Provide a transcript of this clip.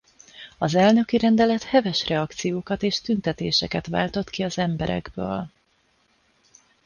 Az elnöki rendelet heves reakciókat és tüntetéseket váltott ki az emberekből.